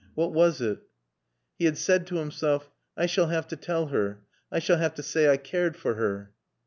What was it?" He had said to himself, "I shall have to tell her. I shall have to say I cared for her."